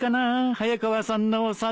早川さんのお札。